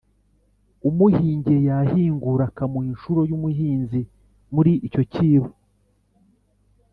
umuhingiye yahingura akamuha inshuro y'umuhinzi muri icyo cyibo